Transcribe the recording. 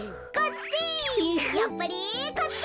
やっぱりこっち！